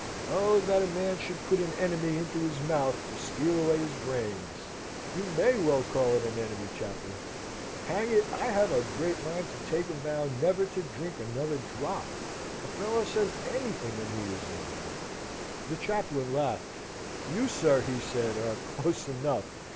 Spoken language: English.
"'Oh, that a man should put an enemy into his mouth to steal away his brains!'" "You may well call it an enemy, Chaplain. Hang it, I have a great mind to make a vow never to drink another drop! A fellow says anything when he is in drink." The chaplain laughed. "You, sir," he said, "are close enough!"